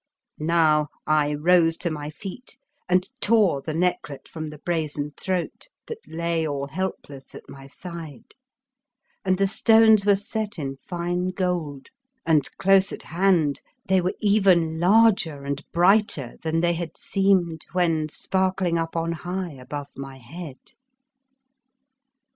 Now I rose to my feet and tore the necklet from the brazen throat that lay all helpless at my side, and the stones were set in fine gold, and close at hand 121 The Fearsome Island they were even larger and brighter than they had seemed when sparkling up on high above my head.